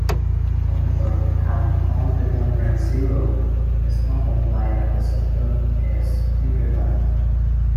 However, having all determinants zero does not imply that the system is indeterminate.